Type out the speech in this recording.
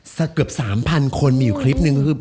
สักเกือบ๓๐๐๐คนมีอยู่คลิปหนึ่ง